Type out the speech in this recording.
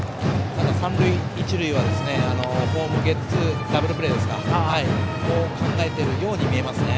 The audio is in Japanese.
ただ三塁一塁はホームでのゲッツーダブルプレーを考えているように見えますね。